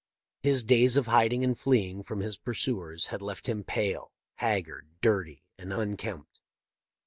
" His days of hiding and fleeing from his pursuers had left him pale, haggard, dirty, and unkempt.